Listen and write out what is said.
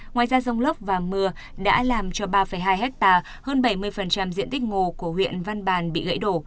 ngoài ra rồng lốc và mưa đã làm cho ba hai hectare hơn bảy mươi diện tích ngồ của huyện văn bản bị gãy đổ